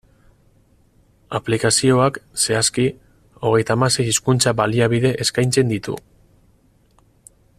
Aplikazioak, zehazki, hogeita hamasei hizkuntza-baliabide eskaintzen ditu.